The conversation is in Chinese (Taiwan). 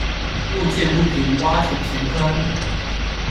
路見不平，挖土填坑